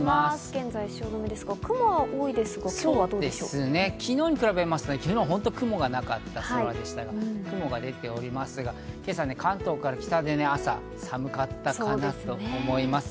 現在の汐留ですが、雲は昨日に比べまして、昨日は本当に雲がなかった空ですが、雲が出ておりますが、今朝は関東から北で朝は寒かったなと思います。